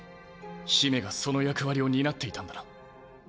姫がその役割を担っていたんだな。